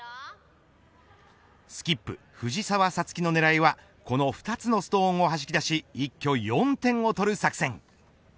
スキップ藤澤五月の狙いはこの２つのストーンをはじき出し一挙４点を取る作戦。